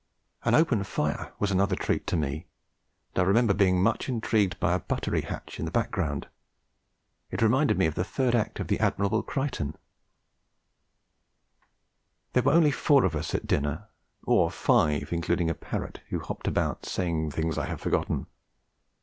An open fire was another treat to me; and I remember being much intrigued by a buttery hatch in the background. It reminded me of the third act of The Admirable Crichton. There were only four of us at dinner, or five including a parrot who hopped about saying things I have forgotten.